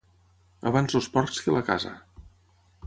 Abans els porcs que la casa.